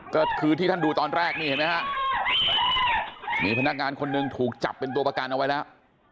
ก็คือที่ท่านดูตอนแรกนี่เห็นไหมฮะมีพนักงานคนหนึ่งถูกจับเป็นตัวประกันเอาไว้แล้ว